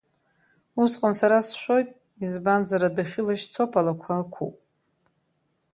Усҟан сара сшәоит, избанзар адәахьы лашьцоуп алақәа ықәуп.